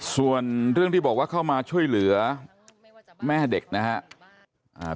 ส่วนเรื่องที่บอกว่าเข้ามาช่วยเหลือแม่เด็กนะครับ